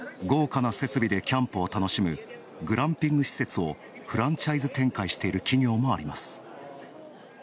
豪華な設備でキャンプを楽しむグランピング施設をフランチャイズ展開している企業もあります。